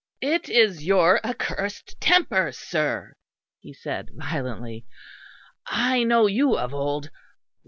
"It is your accursed temper, sir," he said violently. "I know you of old.